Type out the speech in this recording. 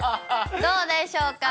どうでしょうか。